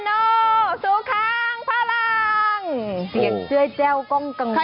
ดิปริยึดเจล้วก้องกงวัน